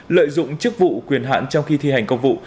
lợi dụng chức vụ quyền hạn trong khi thi hành công vụ